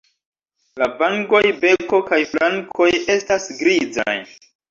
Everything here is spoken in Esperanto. La vangoj, beko kaj flankoj estas grizaj.